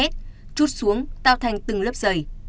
trút xuống tạo thành từng lớp dày